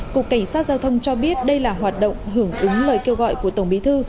cục cảnh sát giao thông cho biết đây là hoạt động hưởng ứng lời kêu gọi của tổng bí thư